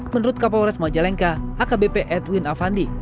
menurut kapolores majalengka akbp edwin avandi